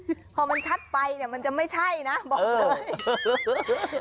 พอมันชัดไปเนี่ยมันจะไม่ใช่นะบอกเลย